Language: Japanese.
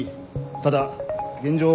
ただ現状